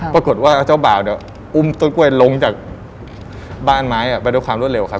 ปรากฏว่าเจ้าบ่าวเนี่ยอุ้มต้นกล้วยลงจากบ้านไม้ไปด้วยความรวดเร็วครับ